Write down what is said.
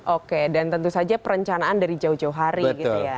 oke dan tentu saja perencanaan dari jauh jauh hari gitu ya